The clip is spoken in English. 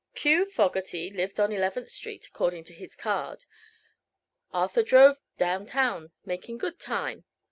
Q. Fogerty lived on Eleventh street, according to his card. Arthur drove down town, making good time.